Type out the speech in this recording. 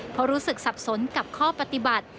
เพราะรู้สึกสับสนกับข้อปฏิบัติ